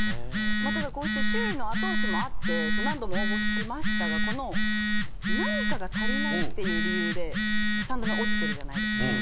ただこうして周囲の後押しもあって何度も応募しましたがこの何かが足りないっていう理由で三度目落ちてるじゃないですか。